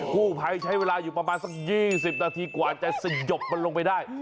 กู้ภัยใช้เวลาอยู่ประมาณสัก๒๐นาทีกว่าจะสยบมันลงไปได้